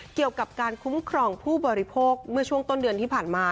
เกี่ยวกับการคุ้มครองผู้บริโภคเมื่อช่วงต้นเดือนที่ผ่านมา